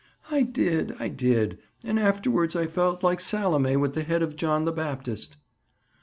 "I did! I did! And afterward I felt like Salome with the head of John the Baptist."